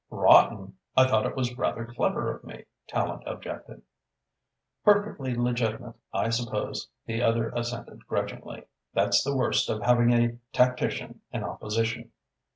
"Rotten? I thought it was rather clever of me," Tallente objected. "Perfectly legitimate, I suppose," the other assented grudgingly. "That's the worst of having a tactician in opposition."